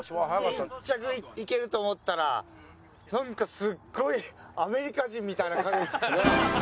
１着いけると思ったらなんかすっごいアメリカ人みたいな影が。